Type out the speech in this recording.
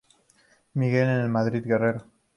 Miguel de la Madrid Guerrero.